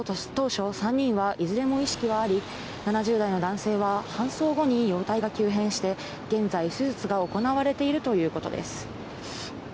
当初３人はいずれも意識はあり、７０代の男性は搬送後に容体が急変して、現在、手術が行われているということです。